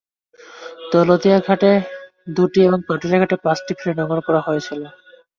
দৌলতদিয়া ঘাটে দুটি এবং পাটুরিয়া ঘাটে পাঁচটি ফেরি নোঙর করে রাখা হয়েছিল।